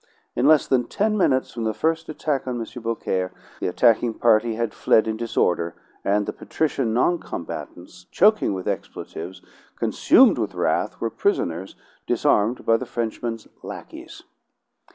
In less than ten minutes from the first attack on M. Beaucaire, the attacking party had fled in disorder, and the patrician non combatants, choking with expletives, consumed with wrath, were prisoners, disarmed by the Frenchman's lackeys.